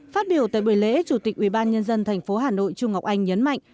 phát biểu tại buổi lễ chủ tịch ubnd tp hà nội trung ngọc anh nhấn mạnh